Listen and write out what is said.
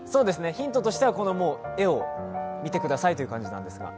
ヒントとしては、この絵を見てくださいということですが。